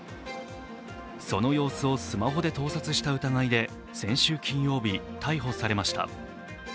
その様子をスマホで盗撮した疑いで先週金曜日、逮捕されました。